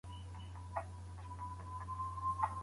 که بد عادت ته پام ونشي نو ژوریږي.